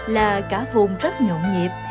là cả vùng rất nhộn nhịp